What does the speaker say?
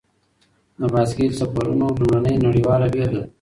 د بایسکل سفرونو لومړنی نړیواله بېلګه دی.